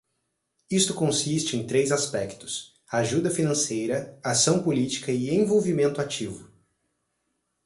Isto consiste em três aspectos: ajuda financeira, ação política e envolvimento ativo.